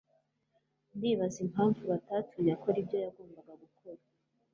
Ndibaza impamvu batatumye akora ibyo yagombaga gukora.